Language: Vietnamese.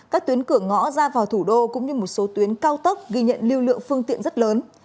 các tuyến cửa ngõ ra vào thủ đô cũng như một số tuyến cao tốc ghi nhận lưu lượng phương tiện rất lớn